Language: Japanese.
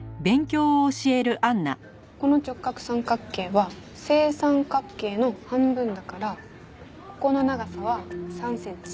この直角三角形は正三角形の半分だからここの長さは３センチ。